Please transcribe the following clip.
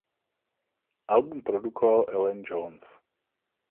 Album produkoval Alain Johannes.